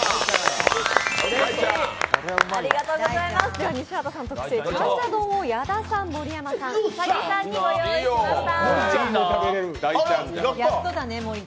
では、西畑さん特製チャンジャ丼を矢田さん、盛山さん、兎さんにご用意しました。